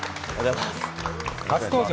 初登場？